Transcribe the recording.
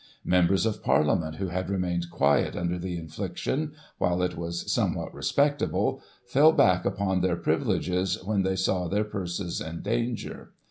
Members of Parliament who had remained quiet under the infliction, while it was somewhat respectable, fell back upon their privileges, when they saw their purses in danger.